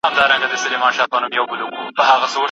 پښتو ژبه به هیڅکله ورکه نشي.